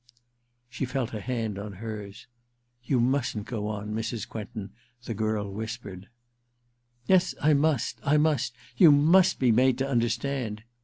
' She felt a hand on hers. * You mustn't go on,' the girl whispered. * Yes, I must — I must ! You must be made to understand.'